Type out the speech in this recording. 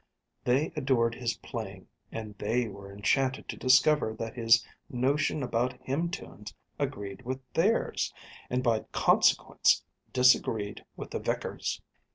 They adored his playing, and they were enchanted to discover that his notions about hymn tunes agreed with theirs, and by consequence disagreed with the vicar's.